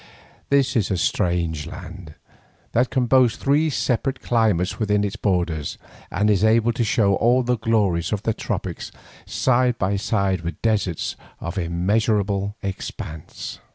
This is a strange land, that can boast three separate climates within its borders, and is able to show all the glories of the tropics side by side with deserts of measureless expanse.